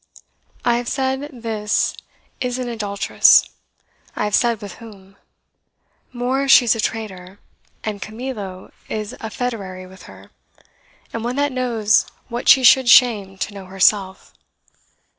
I have said This is an adulteress I have said with whom: More, she's a traitor, and Camillo is A federary with her, and one that knows What she should shame to know herself.